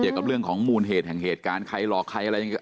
เผียบกับเรื่องของมูลเหตุอย่างเหตุการณ์ใครหลอกใครอะไรอย่างเงี้ย